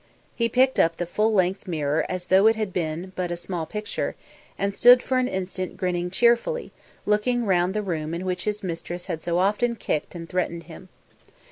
He picked up the full length mirror as though it had been a small picture, and stood for an instant grinning cheerfully, looking round the room in which his mistress had so often kicked and threatened him.